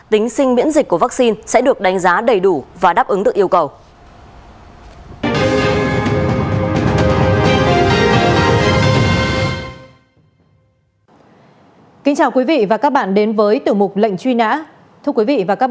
tính sinh miễn dịch của vaccine sẽ được đánh giá đầy đủ và đáp ứng được yêu cầu